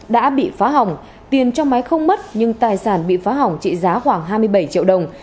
đã bị phá hỏng tiền trong máy không mất nhưng tài sản bị phá hỏng trị giá khoảng hai mươi bảy triệu đồng